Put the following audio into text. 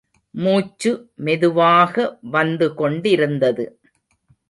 மூச்சு மெதுவாக வந்து கொண்டிருந்தது.